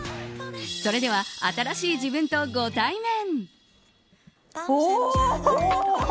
それでは、新しい自分とご対面。